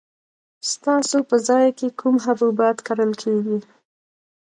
ستاسو په ځای کې کوم حبوبات کرل کیږي؟